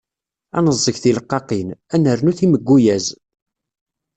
Ad neẓẓeg tileqqaqin, ad nernu timegguyaz.